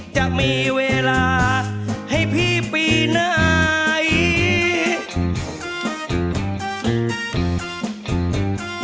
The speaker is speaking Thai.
จะมีเวลาให้พี่ปีไหน